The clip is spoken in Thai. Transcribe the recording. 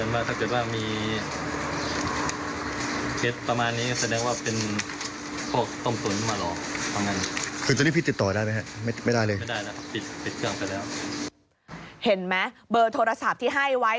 วันนี้วันนี้เราเสียเงินไปเท่าไหร่ฮะสองหมื่นหนึ่งพันเท่านั้น